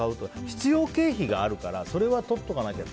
必要経費があるからそれはとっておかなきゃ。